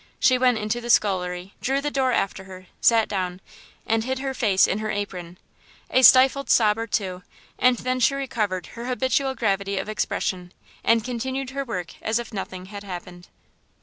She went into the scullery, drew the door after her, sat down, and hid her face in her apron. A stifled sob or two, and then she recovered her habitual gravity of expression, and continued her work as if nothing had happened.